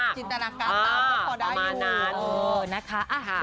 อาจจะให้จิตรรักษาตามก็พอได้อยู่